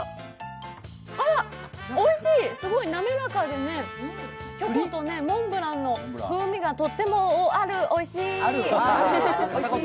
あら、おいしい、すごい滑らかでね、チョコとモンブランの風味がとってもある、おいしい。